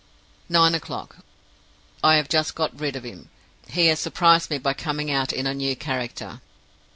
"Nine o'clock. I have just got rid of him. He has surprised me by coming out in a new character.